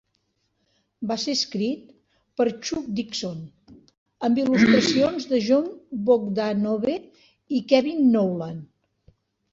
Va ser escrit per Chuck Dixon, amb il·lustracions de Jon Bogdanove i Kevin Nowlan.